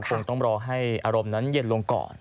คงต้องรอให้อารมณ์นั้นเย็นลงก่อน